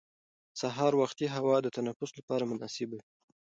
سهار وختي هوا د تنفس لپاره مناسبه وي